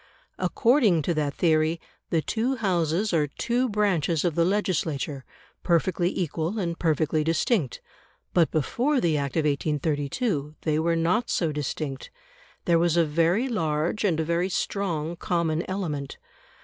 According to that theory, the two Houses are two branches of the legislature, perfectly equal and perfectly distinct. But before the Act of 1832 they were not so distinct; there was a very large and a very strong common element.